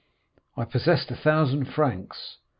I possessed a thousand francs.